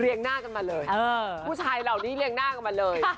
หน้ากันมาเลยผู้ชายเหล่านี้เรียงหน้ากันมาเลย